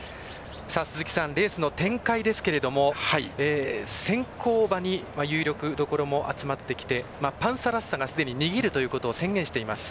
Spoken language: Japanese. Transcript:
鈴木さん、レースの展開ですが先行馬に有力どころも集まってきてパンサラッサがすでに逃げるということを宣言しています。